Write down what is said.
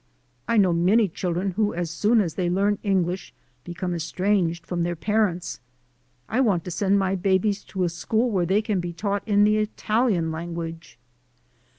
I know many chil dren who as soon as they learn English become estranged from their parents. I want to send my babies to a school where they can be taught in the Italian language."